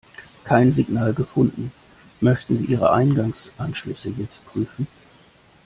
Kein Signal gefunden. Möchten Sie ihre Eingangsanschlüsse jetzt prüfen?